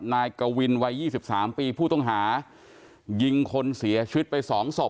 นายกวินวัย๒๓ปีผู้ต้องหายิงคนเสียชีวิตไปสองศพ